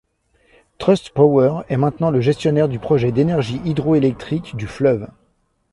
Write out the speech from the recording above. TrustPower est maintenant le gestionnaire du projet d’Énergie hydroélectrique du fleuve.